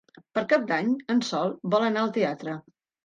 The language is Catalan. Per Cap d'Any en Sol vol anar al teatre.